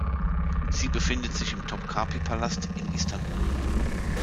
Sie befindet sich im Topkapı-Palast in Istanbul.